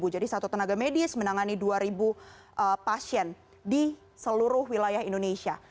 jadi satu tenaga medis menangani dua pasien di seluruh wilayah indonesia